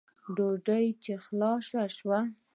ډوډۍ چې خلاصه سوه.